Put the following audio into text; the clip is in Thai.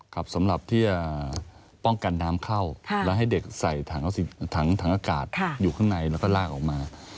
สำหรับที่จะป้องกันน้ำเข้าและให้เด็กใส่ถังอากาศอยู่ข้างในแล้วก็ลากออกมา